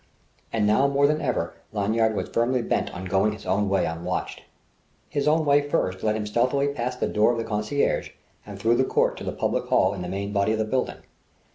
And now more than ever Lanyard was firmly bent on going his own way unwatched. His own way first led him stealthily past the door of the conciergerie and through the court to the public hall in the main body of the building.